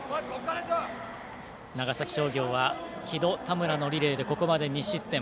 長崎商業は城戸、田村のリレーでここまで２失点。